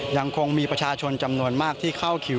ยังคงมีประชาชนจำนวนมากที่เข้าคิว